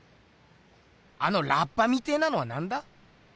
あのラッパみてえなのはなんだ？